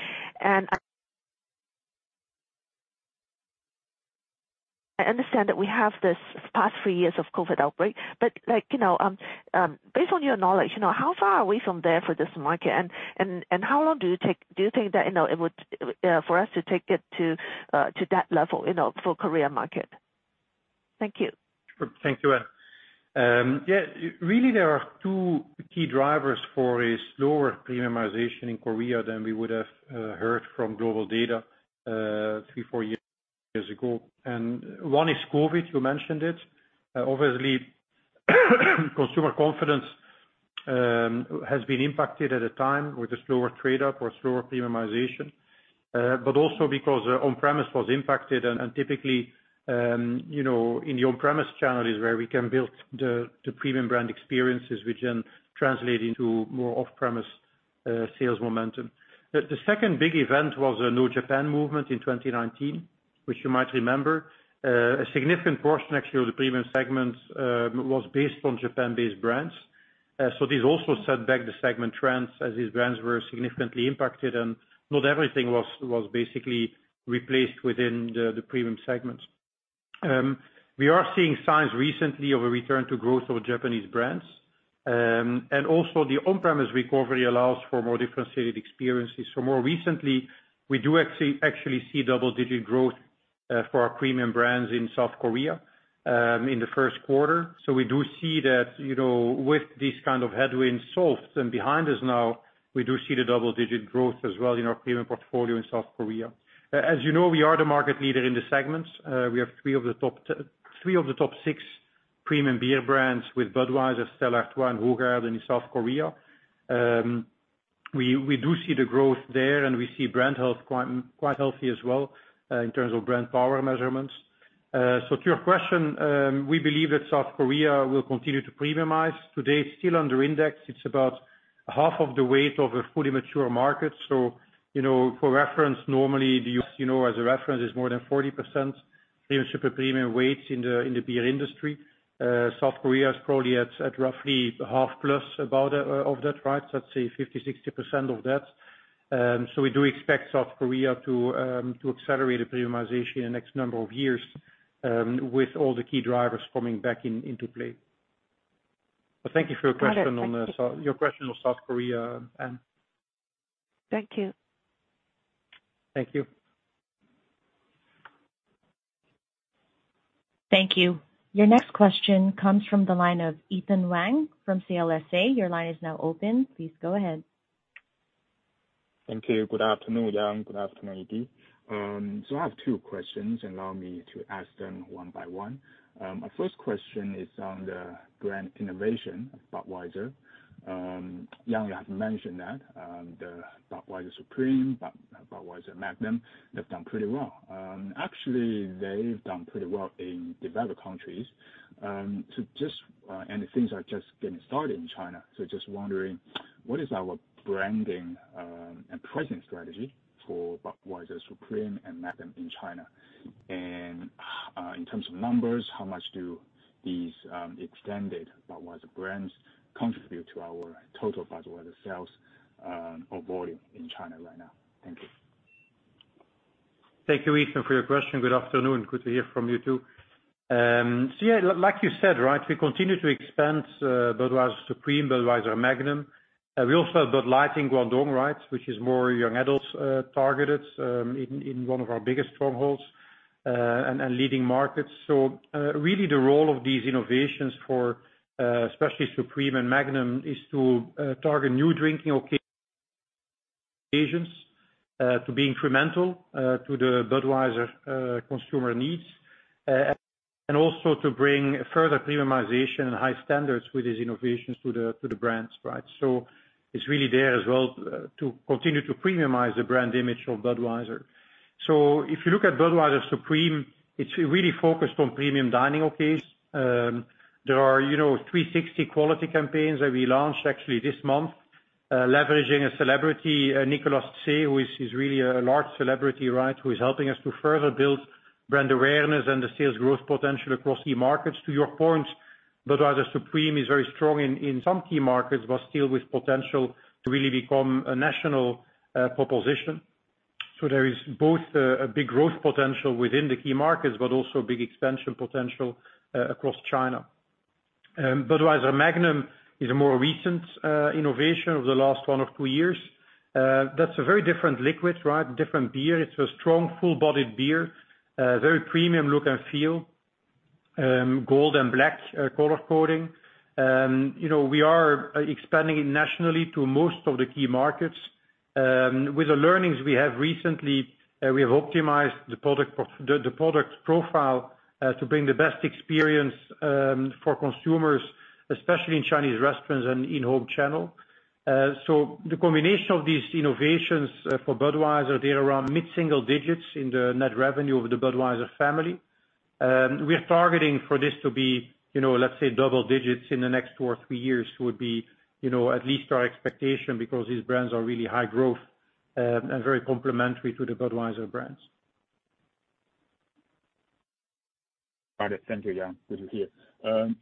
I understand that we have this past three years of COVID outbreak, but like, you know, based on your knowledge, you know, how far are we from there for this market? How long do you think that, you know, it would for us to take it to that level, you know, for Korea market? Thank you. Thank you, Anne. really there are two key drivers for a slower premiumization in Korea than we would have, heard from GlobalData, three, four years ago. One is COVID, you mentioned it. Obviously, consumer confidence has been impacted at a time with a slower trade-up or slower premiumization, but also because our on-premise was impacted and typically, you know, in the on-premise channel is where we can build the premium brand experiences which then translate into more off-premise sales momentum. The second big event was a No Japan movement in 2019, which you might remember. a significant portion actually of the premium segments, was based on Japan-based brands. This also set back the segment trends as these brands were significantly impacted and not everything was basically replaced within the premium segments. We are seeing signs recently of a return to growth of Japanese brands. Also the on-premise recovery allows for more differentiated experiences. More recently, we do actually see double-digit growth for our premium brands in South Korea in the first quarter. We do see that, you know, with these kind of headwinds solved and behind us now, we do see the double-digit growth as well in our premium portfolio in South Korea. As you know, we are the market leader in this segment. We have three of the top six premium beer brands with Budweiser, Stella Artois, and Hoegaarden in South Korea. We do see the growth there. We see brand health quite healthy as well in terms of brand power measurements. To your question, we believe that South Korea will continue to premiumize. Today, it's still under index. It's about half of the weight of a fully mature market. For reference, normally the U.S., as a reference, is more than 40% premium, super premium weights in the beer industry. South Korea is probably at roughly half plus about of that, right? Let's say 50%-60% of that. We do expect South Korea to accelerate the premiumization in the next number of years with all the key drivers coming back into play. Thank you for your question. Got it. Thank you. Your question on South Korea, Ann. Thank you. Thank you. Thank you. Your next question comes from the line of Ethan Wang from CLSA. Your line is now open. Please go ahead. Thank you. Good afternoon, Jan. Good afternoon, Iggy. I have two questions. Allow me to ask them one by one. My first question is on the brand innovation of Budweiser. Jan, you have mentioned that the Budweiser Supreme, Budweiser Magnum have done pretty well. Actually, they've done pretty well in developed countries. And the things are just getting started in China. Just wondering, what is our branding and pricing strategy for Budweiser Supreme and Magnum in China? In terms of numbers, how much do these extended Budweiser brands contribute to our total Budweiser sales or volume in China right now? Thank you. Thank you, Ethan, for your question. Good afternoon. Good to hear from you too. Yeah, like you said, right, we continue to expand Budweiser Supreme, Budweiser Magnum. We also have Bud Light in Guangdong, right? Which is more young adults targeted in one of our biggest strongholds and leading markets. Really the role of these innovations for especially Supreme and Magnum, is to target new drinking occasions, to be incremental to the Budweiser consumer needs, and also to bring further premiumization and high standards with these innovations to the brands, right? It's really there as well to continue to premiumize the brand image of Budweiser. If you look at Budweiser Supreme, it's really focused on premium dining occasions. There are, you know, 360 quality campaigns that we launched actually this month, leveraging a celebrity, Nicholas Tse, who is really a large celebrity, right? Who is helping us to further build brand awareness and the sales growth potential across key markets. To your point, Budweiser Supreme is very strong in some key markets, but still with potential to really become a national proposition. There is both a big growth potential within the key markets, but also a big expansion potential across China. Budweiser Magnum is a more recent innovation of the last one or two years. That's a very different liquid, right? Different beer. It's a strong, full-bodied beer. Very premium look and feel. Gold and black color coding. You know, we are expanding nationally to most of the key markets. With the learnings we have recently, we have optimized the product profile to bring the best experience for consumers, especially in Chinese restaurants and in-home channel. The combination of these innovations for Budweiser, they're around mid-single digits in the net revenue of the Budweiser family. We are targeting for this to be, you know, let's say double digits in the next two or three years would be, you know, at least our expectation, because these brands are really high growth and very complementary to the Budweiser brands. All right. Thank you, Jan. Good to hear.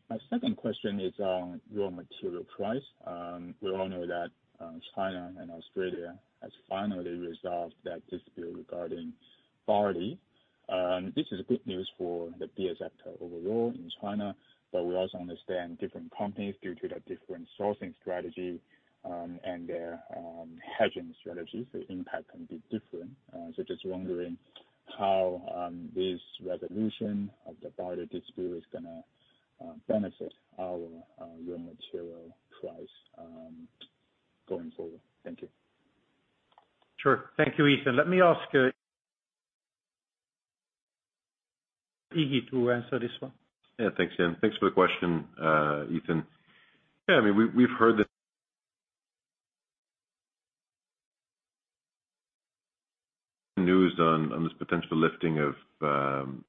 My second question is on raw material price. We all know that China and Australia has finally resolved that dispute regarding barley. This is good news for the beers sector overall in China, but we also understand different companies, due to their different sourcing strategy, and their hedging strategies, the impact can be different. Just wondering how this resolution of the barley dispute is gonna benefit our raw material price going forward. Thank you. Sure. Thank you, Ethan. Let me ask Iggy to answer this one. Yeah, thanks, Jan. Thanks for the question, Ethan. Yeah, I mean, we've heard that news on this potential lifting of,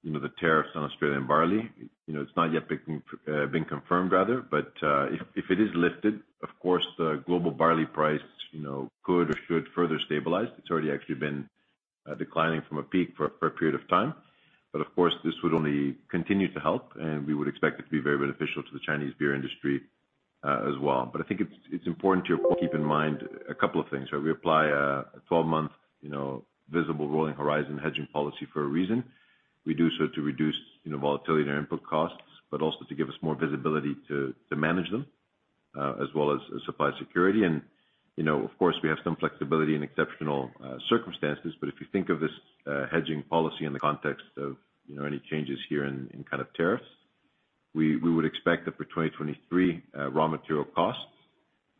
you know, the tariffs on Australian barley. You know, it's not yet been confirmed rather, but if it is lifted, of course, the global barley price, you know, could or should further stabilize. It's already actually been declining from a peak for a period of time. Of course, this would only continue to help, and we would expect it to be very beneficial to the Chinese beer industry as well. I think it's important to keep in mind a couple of things. We apply a 12-month, you know, visible rolling horizon hedging policy for a reason. We do so to reduce, you know, volatility in our input costs, but also to give us more visibility to manage them, as well as supply security. You know, of course, we have some flexibility in exceptional circumstances, but if you think of this hedging policy in the context of, you know, any changes here in kind of tariffs, we would expect that for 2023 raw material costs,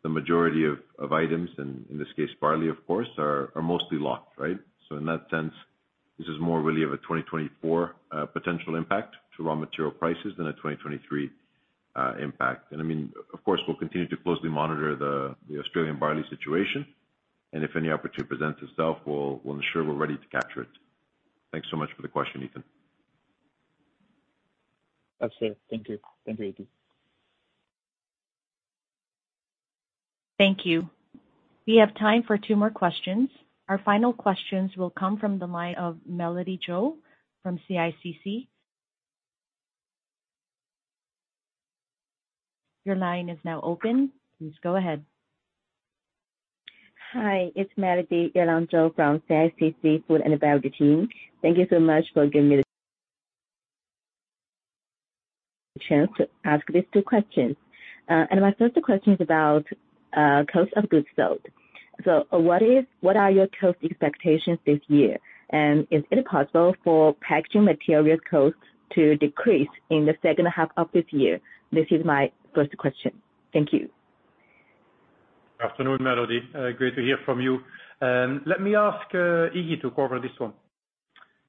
the majority of items, and in this case, barley, of course, are mostly locked, right? In that sense, this is more really of a 2024 potential impact to raw material prices than a 2023 impact. I mean, of course, we'll continue to closely monitor the Australian barley situation. If any opportunity presents itself, we'll ensure we're ready to capture it. Thanks so much for the question, Ethan. That's it. Thank you. Thank you, Ethan. Thank you. We have time for two more questions. Our final questions will come from the line of Melody Zhou from CICC. Your line is now open. Please go ahead. Hi, it's Melody Zhou from CICC Food and Beverage team. Thank you so much for giving me the chance to ask these two questions. My first question is about cost of goods sold. What are your cost expectations this year? Is it possible for packaging materials costs to decrease in the second half of this year? This is my first question. Thank you. Afternoon, Melody. Great to hear from you. Let me ask Iggy to cover this one.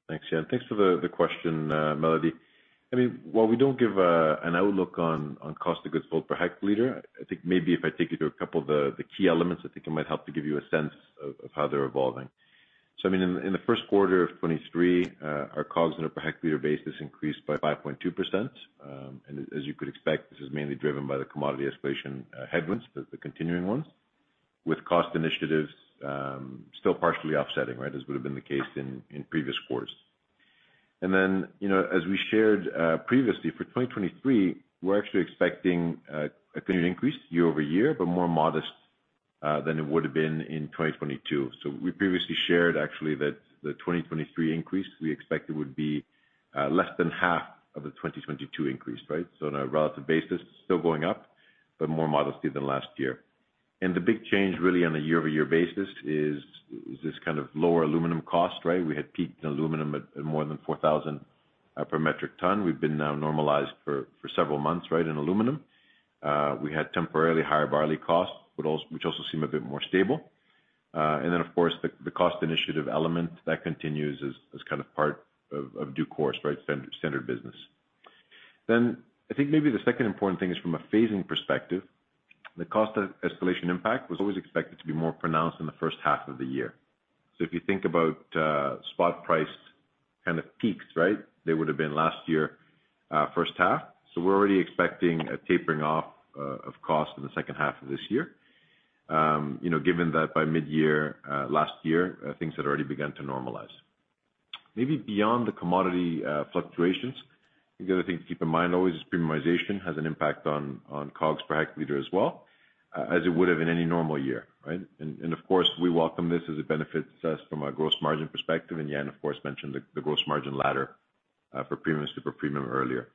Thanks, Jan. Thanks for the question, Melody. I mean, while we don't give an outlook on cost of goods sold per hectoliter, I think maybe if I take you through a couple of the key elements, I think it might help to give you a sense of how they're evolving. I mean, in the first quarter of 2023, our COGS on a per hectoliter basis increased by 5.2%. As you could expect, this is mainly driven by the commodity escalation headwinds, the continuing ones, with cost initiatives, still partially offsetting, right? This would have been the case in previous quarters. You know, as we shared previously, for 2023, we're actually expecting a continued increase year-over-year, but more modest than it would have been in 2022. We previously shared actually that the 2023 increase we expected would be less than half of the 2022 increase, right? On a relative basis, still going up, but more modestly than last year. The big change really on a year-over-year basis is this kind of lower aluminum cost, right? We had peaked in aluminum at more than 4,000 per metric ton. We've been now normalized for several months, right, in aluminum. We had temporarily higher barley costs, which also seem a bit more stable. Of course, the cost initiative element that continues as kind of part of due course, right. Standard business. I think maybe the second important thing is from a phasing perspective, the cost escalation impact was always expected to be more pronounced in the first half of the year. If you think about spot price kind of peaks, right. They would have been last year, first half. We're already expecting a tapering off of cost in the second half of this year. You know, given that by mid-year last year, things had already begun to normalize. Maybe beyond the commodity fluctuations, the other thing to keep in mind always is premiumization has an impact on COGS per hectoliter as well, as it would have in any normal year, right. Of course, we welcome this as it benefits us from a gross margin perspective. Jan, of course, mentioned the gross margin ladder for premium, super premium earlier.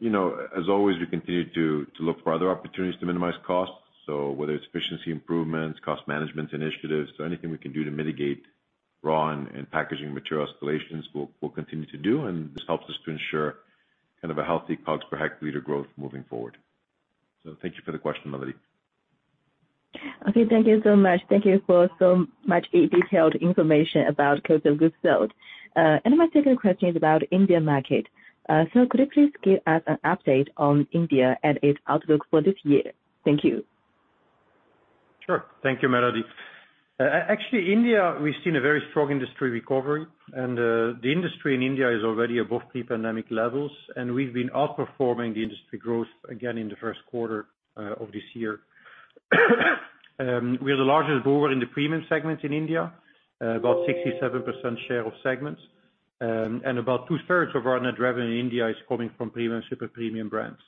You know, as always, we continue to look for other opportunities to minimize costs. Whether it's efficiency improvements, cost management initiatives, anything we can do to mitigate raw and packaging material escalations, we'll continue to do. This helps us to ensure kind of a healthy COGS per hectoliter growth moving forward. Thank you for the question, Melody. Okay. Thank you so much. Thank you for so much detailed information about cost of goods sold. My second question is about India market. Could you please give us an update on India and its outlook for this year? Thank you. Sure. Thank you, Melody. Actually, India, we've seen a very strong industry recovery, and the industry in India is already above pre-pandemic levels. We've been outperforming the industry growth again in the first quarter of this year. We are the largest brewer in the premium segment in India, about 67% share of segments. About 2/3 of our net revenue in India is coming from premium, super premium brands.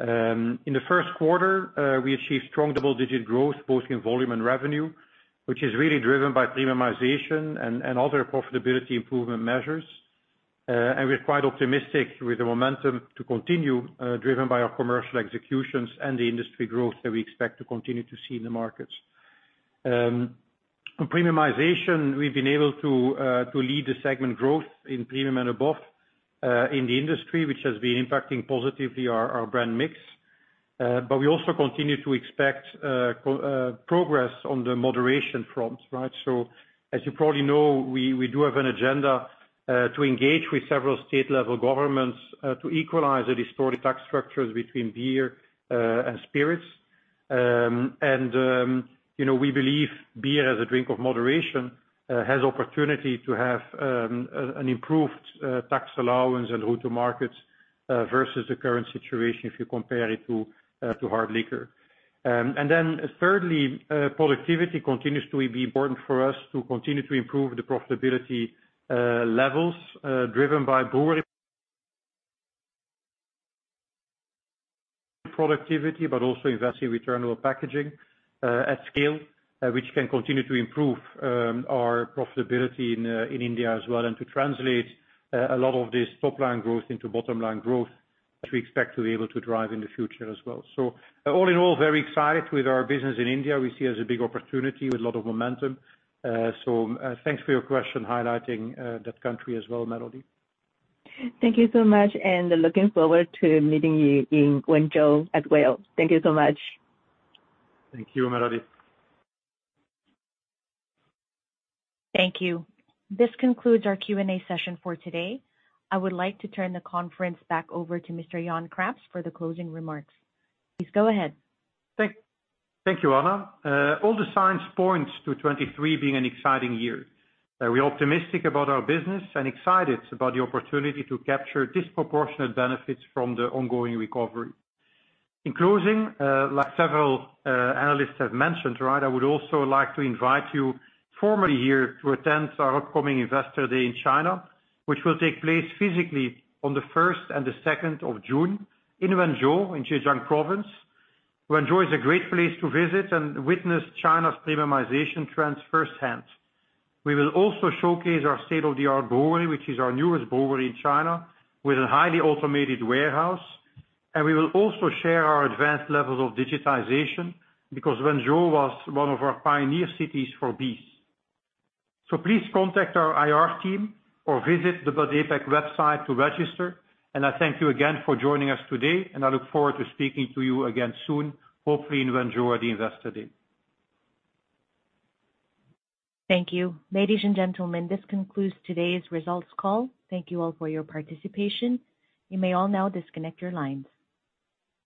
In the first quarter, we achieved strong double-digit growth, both in volume and revenue, which is really driven by premiumization and other profitability improvement measures. We're quite optimistic with the momentum to continue, driven by our commercial executions and the industry growth that we expect to continue to see in the markets. On premiumization, we've been able to lead the segment growth in premium and above in the industry, which has been impacting positively our brand mix. We also continue to expect progress on the moderation front, right? As you probably know, we do have an agenda to engage with several state-level governments to equalize the distorted tax structures between beer and spirits. And, you know, we believe beer as a drink of moderation has opportunity to have an improved tax allowance and route to markets versus the current situation if you compare it to hard liquor. Then thirdly, productivity continues to be important for us to continue to improve the profitability levels, driven by brewery productivity, but also investing return on packaging at scale, which can continue to improve our profitability in India as well. To translate a lot of this top-line growth into bottom-line growth, which we expect to be able to drive in the future as well. All in all, very excited with our business in India. We see it as a big opportunity with a lot of momentum. Thanks for your question highlighting that country as well, Melody. Thank you so much. Looking forward to meeting you in Guangzhou as well. Thank you so much. Thank you, Melody. Thank you. This concludes our Q&A session for today. I would like to turn the conference back over to Mr. Jan Craps for the closing remarks. Please go ahead. Thank you, Anna. All the signs point to 23 being an exciting year. We are optimistic about our business and excited about the opportunity to capture disproportionate benefits from the ongoing recovery. In closing, like several analysts have mentioned, right, I would also like to invite you formally here to attend our upcoming Investor Day in China, which will take place physically on the first and the second of June in Wenzhou, in Zhejiang Province. Wenzhou is a great place to visit and witness China's premiumization trends firsthand. We will also showcase our state-of-the-art brewery, which is our newest brewery in China, with a highly automated warehouse. And we will also share our advanced levels of digitization, because Wenzhou was one of our pioneer cities for BEES. So please contact our IR team or visit the Bud APAC website to register. I thank you again for joining us today, and I look forward to speaking to you again soon, hopefully in Wenzhou at the Investor Day. Thank you. Ladies and gentlemen, this concludes today's results call. Thank you all for your participation. You may all now disconnect your lines.